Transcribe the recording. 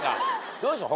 どうでしょう？